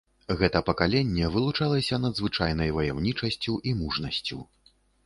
Гэта пакаленне вылучалася надзвычайнай ваяўнічасцю і мужнасцю.